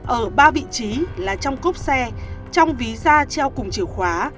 ở ba vị trí là trong cốc xe trong ví da treo cùng chiều khóa